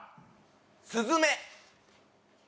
すずめ。